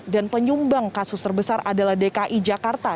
dan penyumbang kasus terbesar adalah dki jakarta